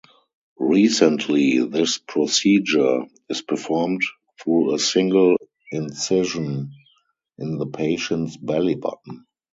Recently, this procedure is performed through a single incision in the patient's belly-button.